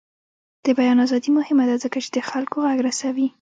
د بیان ازادي مهمه ده ځکه چې د خلکو غږ رسوي.